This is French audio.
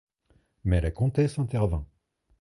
Mais la comtesse intervint.